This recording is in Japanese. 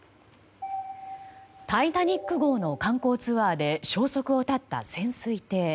タイタニック号の観光ツアーで消息を絶った潜水艇。